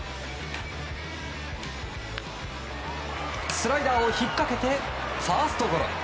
スライダーを引っかけてファーストゴロ。